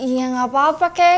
ya gapapa kek